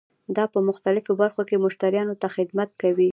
دا په مختلفو برخو کې مشتریانو ته خدمت کوي.